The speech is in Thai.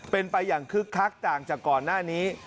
เป็นไปอย่างคึกคักต่างจากก่อนหน้านี้